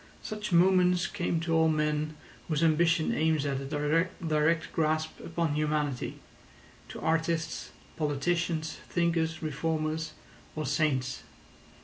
Such moments come to all men whose ambition aims at a direct grasp upon humanity—to artists, politicians, thinkers, reformers, or saints.